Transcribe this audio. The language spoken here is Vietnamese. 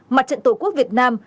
mặt trận tổ quốc việt nam